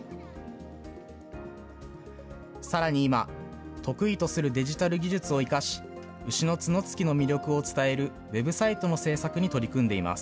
さらに今、得意とするデジタル技術を生かし、牛の角突きの魅力を伝えるウェブサイトの制作に取り組んでいます。